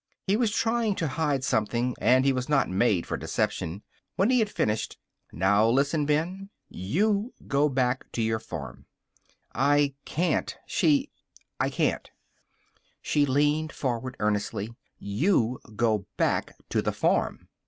He was trying to hide something, and he was not made for deception. When he had finished: "Now, listen, Ben. You go back to your farm." "I can't. She I can't." She leaned forward, earnestly. "You go back to the farm."